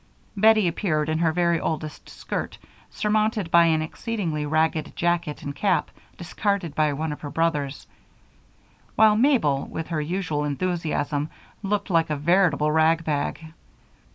Bettie appeared in her very oldest skirt surmounted by an exceedingly ragged jacket and cap discarded by one of her brothers; while Mabel, with her usual enthusiasm, looked like a veritable rag bag.